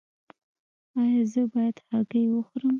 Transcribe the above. ایا زه باید هګۍ وخورم؟